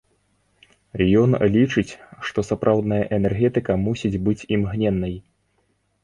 Ён лічыць, што сапраўдная энергетыка мусіць быць імгненнай.